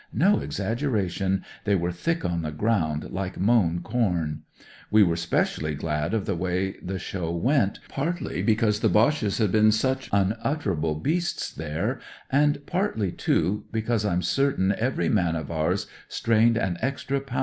No exaggeration they were thick on the ground, like mown com. We were specially glad of the way the show went, partly because the Boches had been such unutterable beasts there, and partly, too, because I'm certain every NEWS FOR HOME O.